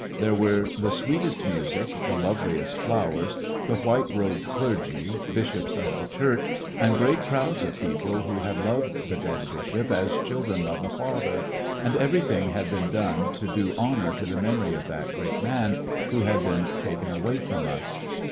There were the sweetest music, the loveliest flowers, 40 '(j/lissionarY in t^e Great West the white robed clergy, bishops of the Church, and great crowds of people who had loved the dead bishop as children love a father; and everything had been done to do honor to the memory of that great man who had been taken away from us.